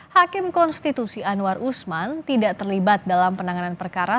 hakim konstitusi anwar usman tidak terlibat dalam penanganan perkara